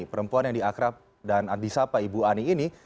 perempuan yang diakrab dan disapa ibu ani ini